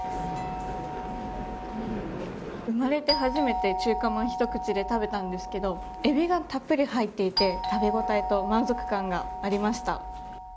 生まれて初めて中華まんをひと口で食べたんですけどエビがたっぷり入っていて食べ応えと満足感がありました。